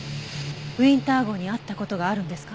ウィンター号に会った事があるんですか？